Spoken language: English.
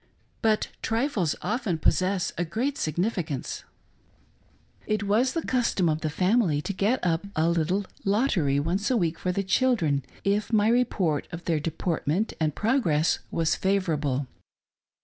But trifles often possess a great significance. It was the custom of the family to get up a little lottery once a week for the children, if my report of their deportment and progress was favorable.